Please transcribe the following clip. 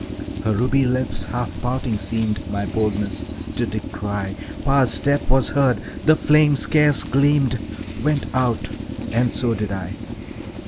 Her ruby lips, half pouting, seemed My boldness to decry. Pa's step was heard. The flame scarce gleamed, Went out and so did I.